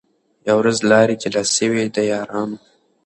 یوه ورځ لاري جلا سوې د یارانو